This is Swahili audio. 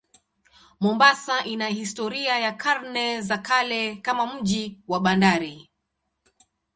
Mombasa ina historia ya karne za kale kama mji wa bandari.